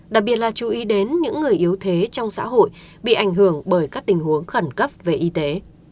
đặc biệt là chú ý đến những người yếu thế trong xã hội bị ảnh hưởng bởi các tình huống khẩn cấp về y tế